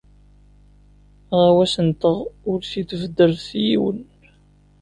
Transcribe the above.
Aɣawas-nteɣ ur t-id-beddret i yiwen.